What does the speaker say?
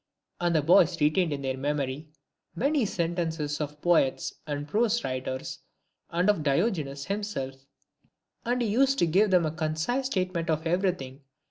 And the boys retained in their memory many sentences of poets and prose^ writers, and of Diogenes himself; and he used to give them a* concise statement of everything Q2 228 LIVES OF EMINENT PHILOSOPHERS.